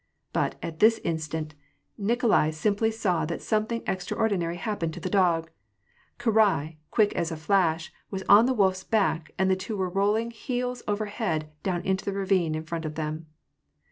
But, at this instant, — Nikolai simply saw that something extraordinary happened to the dog, — Karai, quick as a flash, was on the wolrs back, and the two were rolling heels over head down into the ravine in front of them.